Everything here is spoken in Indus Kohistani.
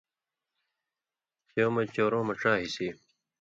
سېوں مژ چؤرؤں مہ ڇا حصی